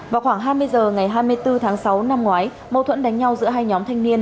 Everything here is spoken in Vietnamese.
vào khoảng hai mươi h ngày hai mươi bốn tháng sáu năm ngoái mâu thuẫn đánh nhau giữa hai nhóm thanh niên